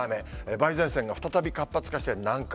梅雨前線が再び活発化して南下。